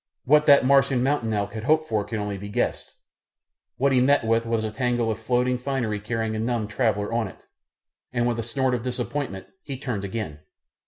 What that Martian mountain elk had hoped for can only be guessed, what he met with was a tangle of floating finery carrying a numbed traveller on it, and with a snort of disappointment he turned again.